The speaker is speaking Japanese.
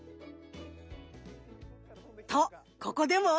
とここでも？